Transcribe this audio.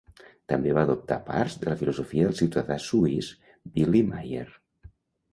També va adoptar parts de la filosofia del ciutadà suís Billy Meier.